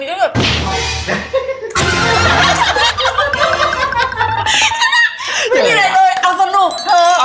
ไม่มีอะไรเลยเอาสนุกเถอะ